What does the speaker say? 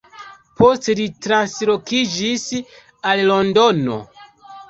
Poste li translokiĝis al Londono.